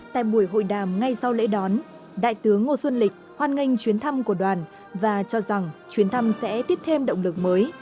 tại buổi hội đàm ngay sau lễ đón đại tướng ngô xuân lịch hoan nghênh chuyến thăm của đoàn và cho rằng chuyến thăm sẽ tiếp thêm động lực mới